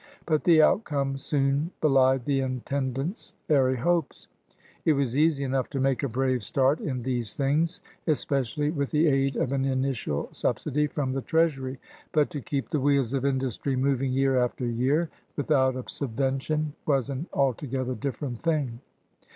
But the outcome soon belied tbe intendant's airy hopes. It was easy enough to make a brave start in these things, especially with the aid of an initial subsidy from the treasury; but to keep the wheels of industry moving year after year without a subvention was an altogether different thing.